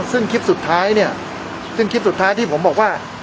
ซึ่งคลิปสุดท้ายเนี่ยซึ่งคลิปสุดท้ายที่ผมบอกว่า